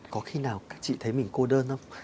có khi nào các chị thấy mình cô đơn thôi